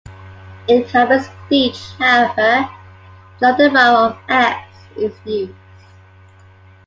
In common speech, however, "The London Borough of X" is used.